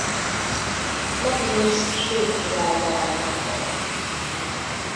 Magnus svéd király leányával.